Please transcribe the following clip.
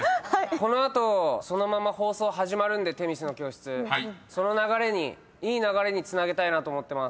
この後そのまま放送始まるんで『女神の教室』その流れにいい流れにつなげたいなと思ってます。